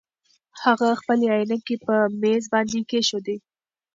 هغه خپلې عینکې په مېز باندې کېښودې.